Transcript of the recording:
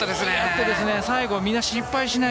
最後はみんな失敗しない。